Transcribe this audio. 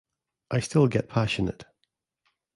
I still get passionate.